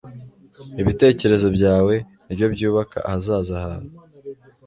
ibitekerezo byawe nibyo byubaka ahazaza hawe